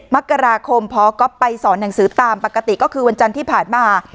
มกราคมพอก๊อฟไปสอนหนังสือตามปกติก็คือวันจันทร์ที่ผ่านมา